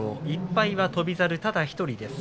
１敗は翔猿ただ１人です。